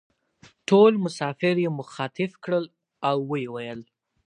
ټول مسافر یې مخاطب کړل او وې ویل: